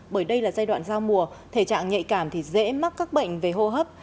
bởi đây là giai đoạn giao mùa thể trạng nhạy cảm thì dễ mắc các bệnh về hô hấp